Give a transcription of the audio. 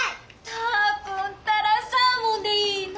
ターくんたらサーモンでいいの？